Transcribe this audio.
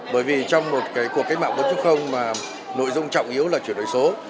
bởi vì trong một cuộc cách mạng bốn mà nội dung trọng yếu là chuyển đổi số